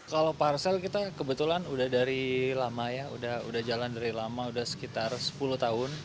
kalau parsel kita kebetulan udah dari lama ya udah jalan dari lama udah sekitar sepuluh tahun